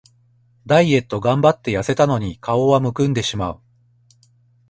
ダイエットがんばってやせたのに顔はむくんでしまう